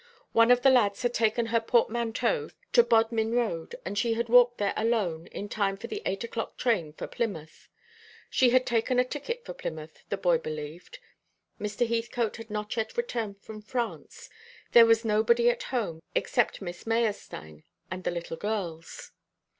One of the lads had taken her portmanteau to Bodmin Road, and she had walked there alone, in time for the eight o'clock train for Plymouth. She had taken a ticket for Plymouth, the boy believed. Mr. Heathcote had not yet returned from France. There was nobody at home except Miss Meyerstein and the little girls.